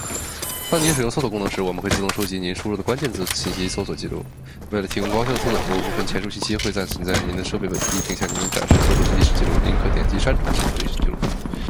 当您使用搜索功能时，我们会自动收集您输入的关键字信息、搜索记录。为了提供高效的搜索服务，部分前述信息会暂存在您的设备本地，并向您展示搜索历史记录，您可点击删除搜索历史记录。